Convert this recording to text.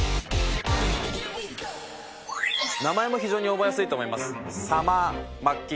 非常に覚えやすいと思います。